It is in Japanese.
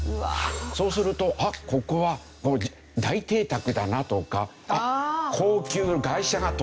そうするとあっここは大邸宅だなとか高級な外車が止まっているな。